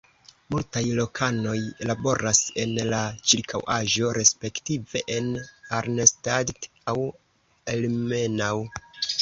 Multaj lokanoj laboras en la ĉirkaŭaĵo respektive en Arnstadt aŭ Ilmenau.